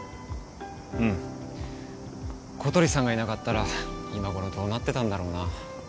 うん小鳥さんがいなかったら今頃どうなってたんだろうな